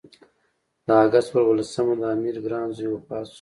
د اګست پر اووه لسمه د امیر ګران زوی وفات شو.